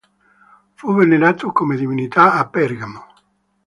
Fu venerato come divinità a Pergamo.